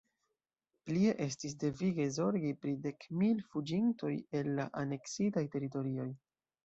Plie estis devige zorgi pri dek mil fuĝintoj el la aneksitaj teritorioj.